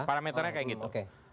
parameternya kayak gitu